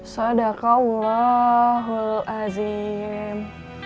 sadaka allahul azim